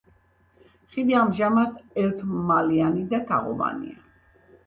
ხიდი ამჟამად ერთმალიანი და თაღოვანია.